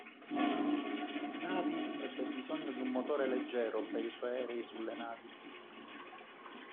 Navy ebbe bisogno di un motore leggero per i suoi aerei sulle navi.